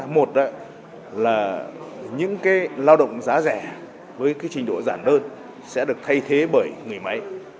một là những cái lao động giá rẻ với cái trình độ giản đơn sẽ được thay thế bởi người máy